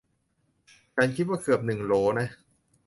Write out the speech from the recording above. ฉันคิดว่าเกือบหนึ่งโหลนะ